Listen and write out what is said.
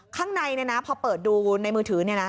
ข้างในพอเปิดดูในมือถือ